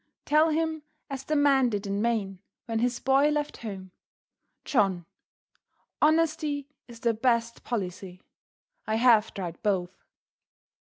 Tell him as the man did in Maine when his boy left home: "John, honesty is the best policy; I have tried both."